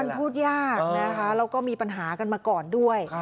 มันพูดยากนะคะแล้วก็มีปัญหากันมาก่อนด้วย